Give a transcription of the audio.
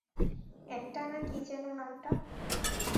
অ্যান্টা না কী যেন নামটা?